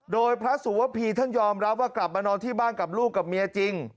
โดยพระสุวพีท่านยอมรับว่ากลับมานอนที่บ้านกับลูกกับเมียจริง